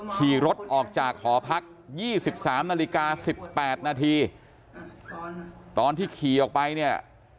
ขี่รถออกจากขอพักยี่สิบสามนาฬิกาสิบแปดนาทีตอนที่ขี่ออกไปเนี้ย